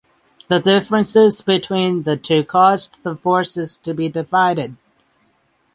The differences between the two caused the forces to be divided.